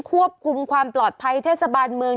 ควบคุมความปลอดภัยเทศบาลเมือง